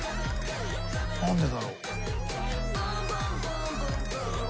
何でだろう？